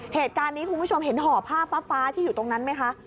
คุณผู้ชมเห็นห่อผ้าฟ้าที่อยู่ตรงนั้นไหมคะ